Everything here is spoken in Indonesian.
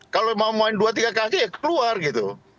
kalau mau main dua tiga kaki ya keluar gitu